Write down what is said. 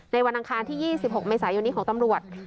วันอังคารที่๒๖เมษายนนี้ของตำรวจ